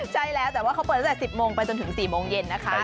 ใช่แล้วแต่ว่าเขาเปิดตั้งแต่๑๐โมงไปจนถึง๔โมงเย็นนะคะ